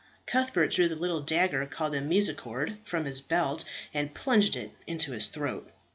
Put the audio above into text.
Cuthbert drew the little dagger called a Mis‚ricorde from his belt, and plunged it into his throat.